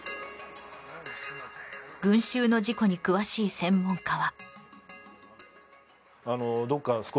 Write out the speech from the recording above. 群衆の事故に詳しい専門家は。